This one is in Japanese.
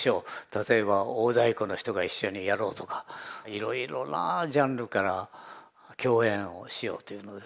例えば大太鼓の人が一緒にやろうとかいろいろなジャンルから共演をしようというので。